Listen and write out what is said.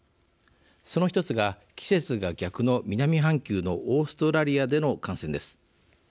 その一つが季節が逆の南半球のオーストラリアでの感染です。